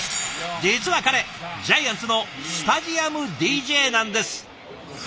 実は彼ジャイアンツのスタジアムＤＪなんです。